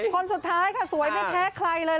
คนสุดท้ายค่ะสวยไม่แพ้ใครเลย